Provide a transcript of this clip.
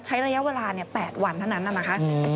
ใช้ระยะเวลา๘วันเท่านั้นนะคะ